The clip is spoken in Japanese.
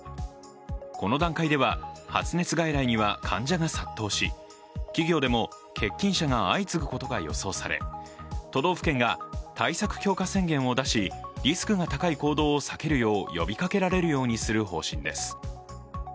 この段階では、発熱外来には患者が殺到し、企業でも欠勤者が相次ぐことが予想され都道府県が対策強化宣言を出し、リスクが高い行動を避けるよう呼びかけられるようにする方針です。